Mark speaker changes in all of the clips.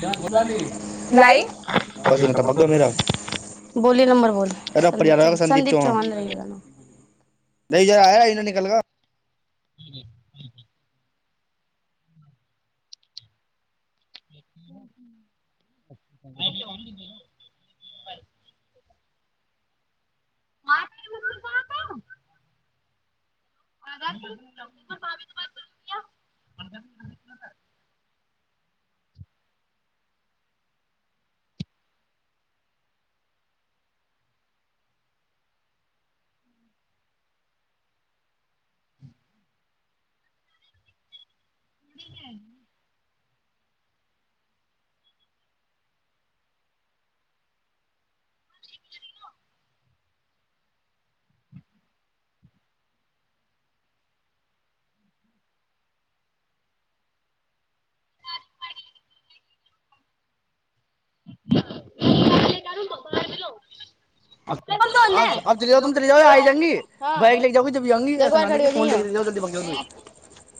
Speaker 1: Gas बुला ली लाइ
Speaker 2: लाइट
Speaker 1: पसीना टपक गया मेरा बोली नंबर बोल संदीप चौहान रहेगा नहि यार आय इना निकलगा
Speaker 2: [unintelligible] भाभी के पास ठीक है
Speaker 1: च जा त चल जा आ जाएगी बइक ले जाउगी तबी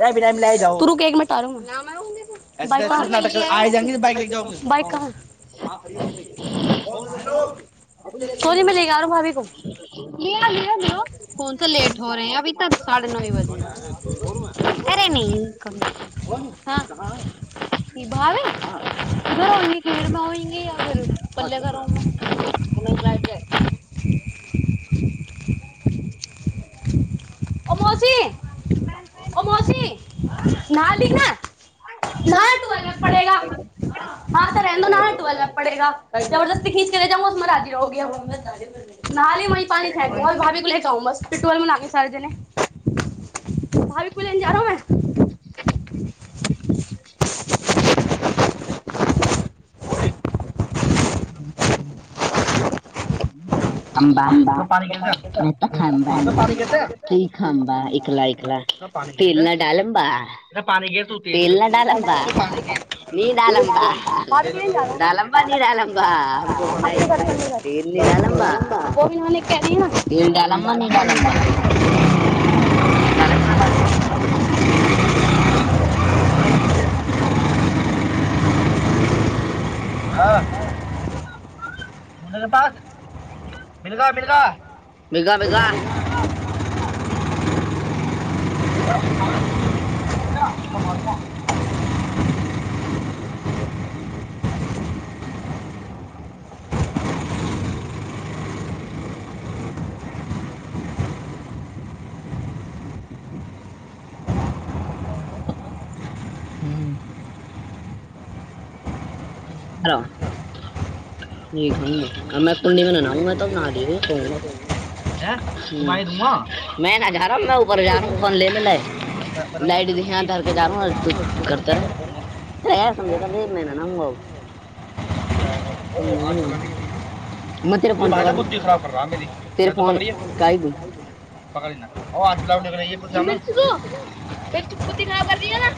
Speaker 1: जाउगी तू रुक एक मीनट आराउ मैं आ जायेंगी बक ले जा कह
Speaker 2: [unintelligible]
Speaker 1: कोनी में लेके आ रह भाभी को
Speaker 2: फोन तऽ लेट हो रहे ह अभी तन साढ़े नओ बजे करे अरे नयि [unintelligible] भावे उधरंगे खरमे होंगे या फेर [unintelligible] पल करोमेै [unintelligible]
Speaker 1: ओ मौसीओ मौसी नहा ली ना नहाय तू अलग पड़ेगा हँ तऽ रहन दो ह टवलना पड़ेगा जबरदसी खींचके राजी रह नहीही पानी फेेकक दंर भाभी को लेके आउ बस तू घर मना ले सारे जने भाभी को लेने जा रहा हूं मैं
Speaker 2: [unintelligible] खंबा तऽ ई खंबा एकला एकला तेल न डालम बा तेल न डालम बा नी डालम बा
Speaker 1: भाभी को लेने जा रहा हूँ
Speaker 2: डालमबा नीडाल्बा तेल नी डालम्बा
Speaker 1: तो हनिक केहदी ना
Speaker 2: तेल डालम्बा
Speaker 1: गला
Speaker 2: नी डालम्बा [unintelligible] त फनौ हाँ पास मिलगा मिलगा बेघा बेघा मारबो [unintelligible] ह्म ह हेलो [unintelligible] ं न जा रहां ऊपर जा रह फोन लेने ल [unintelligible] न दीदी या धरके जा रह तू करत रह त यार समझे मै [unintelligible] [unintelligible] पकड़ ना [unintelligible]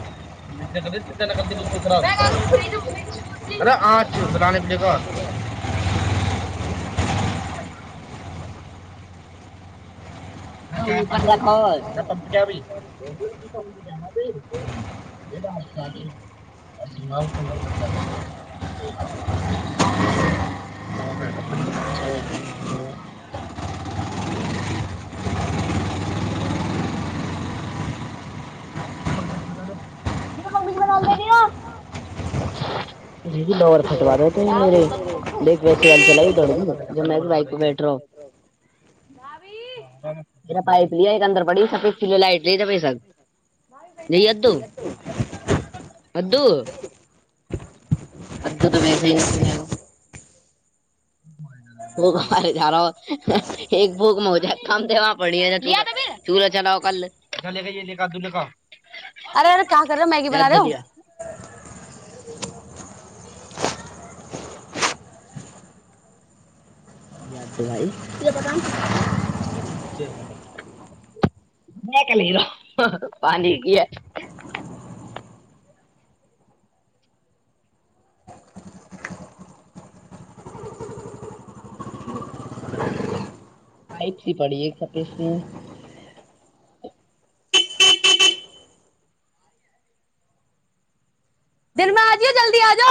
Speaker 2: [unintelligible] अ आच बनाने प ले क [unintelligible] ख [unintelligible] [inaudible] ह मड कच्चा उ भै [unintelligible] [inaudible] म्मी बना दे [unintelligible] देख बर फटवा दे त देख वैसे [unintelligible] वाली चला दौड़ जब मे भी बाइक पर बैठ
Speaker 1: भाभी
Speaker 2: रह [unintelligible] पाईप लिया एक अन्दर पड़ी लाइट ल त प [unintelligible] ज अू बू [unintelligible] अू तऽ वैसे ही ने सुनेगो भ झार एक भूक मज कम देब पड़ तूर चला [unintelligible] कल चल कह न कदू ने का [unintelligible]
Speaker 1: अरे यरे क्य कर रहेौ मैगी बना
Speaker 2: याद तो
Speaker 1: रहेौ
Speaker 2: लिया द भइ तरा पता नहि ल [unintelligible] नहि क लर पानी किय [unintelligible] आइी थी पड़ी एक स
Speaker 1: आजिय जल्दी आ जा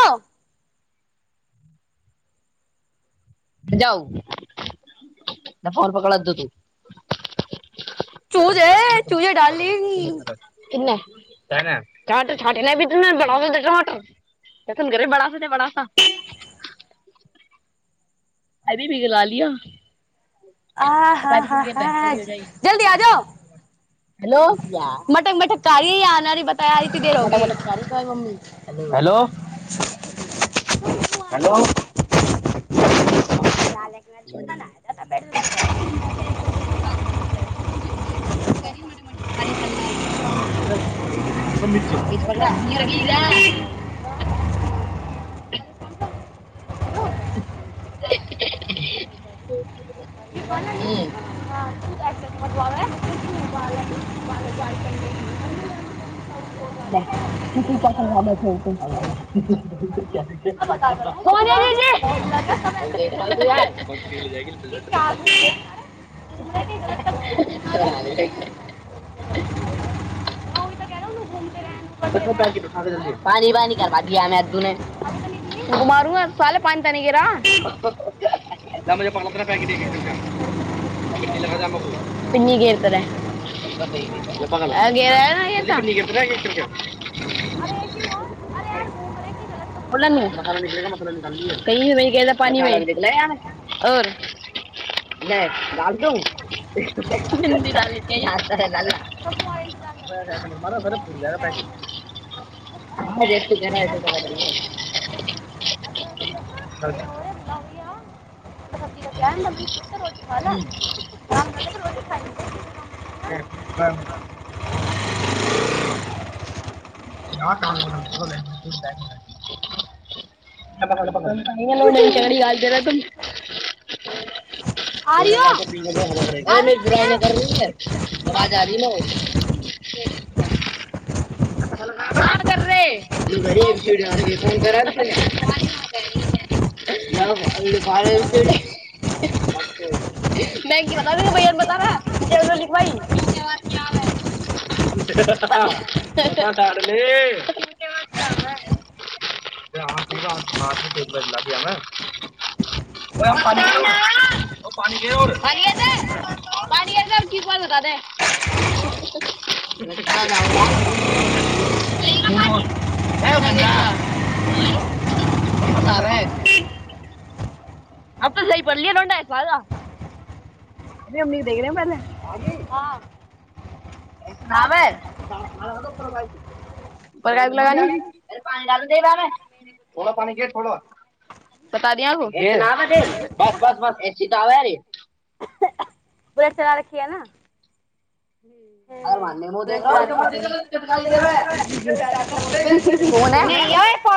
Speaker 2: [unintelligible] [unintelligible]
Speaker 1: चूजे
Speaker 2: टमाटर
Speaker 1: चूजे डार्लिंग
Speaker 2: छाटेना भी त बड़ा टमाटर त तन करे बड़ा ओने बड़ा सा अबी भी ग ल लिअ [unintelligible]
Speaker 1: आ हँ ह ह जल्दी आ जाउ [unintelligible]
Speaker 2: हेलो प्रियाा
Speaker 1: काड़ी आी ब [unintelligible]
Speaker 2: मोटा मोटा प्यारी प्यारी मम्मी हैलो दैलो हेलो [inaudible] कोन
Speaker 1: दाल एक दिन बनाया था बेड में
Speaker 2: जमे गनी मट म मारी चलनाी मिर्च मि पकड़ हीरो क
Speaker 1: मैं
Speaker 2: [unintelligible]
Speaker 1: [inaudible]
Speaker 2: [inaudible]
Speaker 1: क
Speaker 2: हम्म,
Speaker 1: बोल हँ [unintelligible] मरबलै मब बाल जाल कर [unintelligible]
Speaker 2: किु क
Speaker 1: बता दे
Speaker 2: छै
Speaker 1: रहा हूँ पूरा मोहल्ला का
Speaker 2: त
Speaker 1: सब ऐसा देख रहा है मुंबई
Speaker 2: [unintelligible]
Speaker 1: कि क्या घूम रहे हैं
Speaker 2: [unintelligible]
Speaker 1: यार। घूम रहे कहीं गलत
Speaker 2: स
Speaker 1: तक घूमा रहे
Speaker 2: [unintelligible] [inaudible]
Speaker 1: अ ओहि त कहना ओू घूम
Speaker 2: पानी पानी करबा दियामे ने
Speaker 1: अभी तो निकली
Speaker 2: [unintelligible] ओ मारुंगा साले पानी पानी तनिकरा द पन पट [unintelligible] पन्न ग इरतर [unintelligible] [unintelligible] [inaudible] ो पानर
Speaker 1: अरे ऐसी हो अरे यार घूम रहे कि गलत तक घूमा रहे
Speaker 2: [unintelligible] नहि बदू [unintelligible] रर [unintelligible]
Speaker 1: सब तुम्हारा इंतजार कर रहे
Speaker 2: आ
Speaker 1: हैं मम्मी, मैं,
Speaker 2: ज जरा
Speaker 1: यार भाभी
Speaker 2: छै
Speaker 1: ले गई
Speaker 2: [unintelligible]
Speaker 1: आ रही हो?
Speaker 2: र
Speaker 1: आ जाओ जल्दी यहाँ,
Speaker 2: [unintelligible]
Speaker 1: आ
Speaker 2: ह [unintelligible] ह [inaudible] [unintelligible] ची गाल कर तू [unintelligible] [unintelligible] अरे मे बुराइ नहि करीै अबाज
Speaker 1: जाओ जल्दी।
Speaker 2: [unintelligible] का रहे फोन करे [unintelligible] [unintelligible] मै की बता दू भैय बता रहा न लिखबाई्य [unintelligible] तार ले [unintelligible] त हह अ स ब लग आ [unintelligible] [unintelligible] पानिय बता दे [unintelligible] [unintelligible] नहि बता रहा [unintelligible] अब तऽ सही पड़लियऐ नोडवाल [unintelligible] अरे अम्मी देख री [unintelligible]
Speaker 1: हाँ
Speaker 2: [unintelligible] [unintelligible]
Speaker 1: आ गई।
Speaker 2: बता दिया वो ए बस बस एसी तऽ आ र
Speaker 1: रखिये न
Speaker 2: हँ कौन है
Speaker 1: [unintelligible]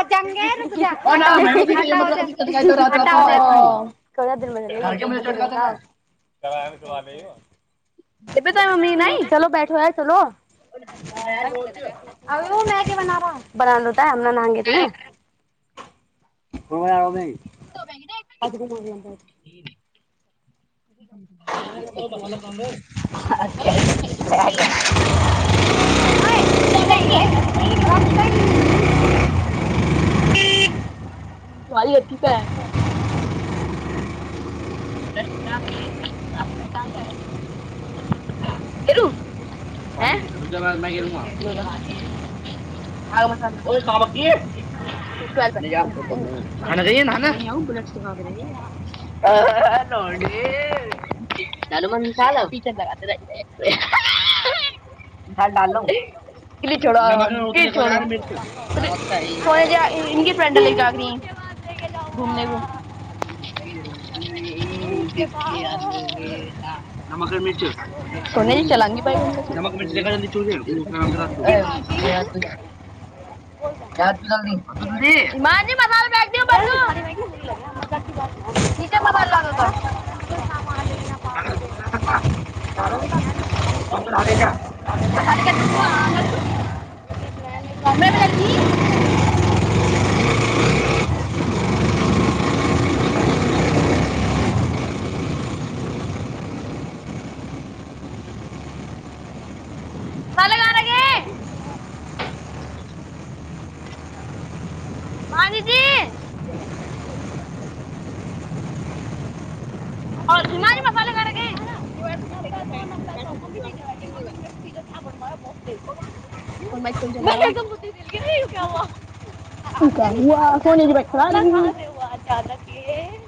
Speaker 2: दिबे
Speaker 1: [unintelligible]
Speaker 2: [unintelligible]
Speaker 1: करायब के बाद अबियो
Speaker 2: जेब तऽमी नहि [unintelligible]
Speaker 1: चलो बैठो यार चलो
Speaker 2: मैं तो बोलती हूँ
Speaker 1: अबे ओ मेंगी बना रहा
Speaker 2: डायरेक्टर
Speaker 1: [unintelligible] आज घूमो
Speaker 2: [unintelligible]
Speaker 1: [unintelligible] ने
Speaker 2: पानी [unintelligible] [unintelligible] [unintelligible] रुक जा न आज [unintelligible] [unintelligible] नहाने जाईये नहाने [unintelligible] हलो जी [unintelligible] [unintelligible] झाल डालो क छो छने जे फ्रेड लै जागरी घुमने भ नमक ने मिर्च नमक ने मिर्च [unintelligible] नीचे मोबाइल लागौता [unintelligible] [unintelligible] हमरा बला ली गल गा रे माही दीदी आ मसाले कर
Speaker 1: मेरे पीछे था, बड़ा बहुत तेज, मैं एकदम बुद्धि दिल गई क्या हुआ आरामसँ नहि सम्हारि अरे
Speaker 2: बार
Speaker 1: हमरा कहाँ
Speaker 2: [unintelligible] [unintelligible]
Speaker 1: से हुआ अचानक यै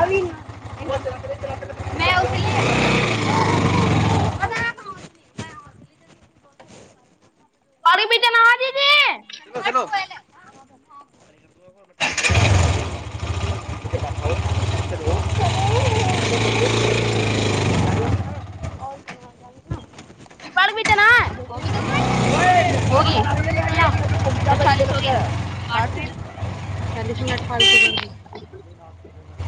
Speaker 1: अभी ना मैं उसने बता रहा हूँ
Speaker 2: अरे भी तनाजे जे
Speaker 1: [unintelligible]
Speaker 2: बरबटना
Speaker 1: ओए, ये लगता है, ये
Speaker 2: [unintelligible] त
Speaker 1: लगता है, ये
Speaker 2: चालीस हो
Speaker 1: लगता है।
Speaker 2: आ फर [unintelligible] चालीस मिनट फालतू कर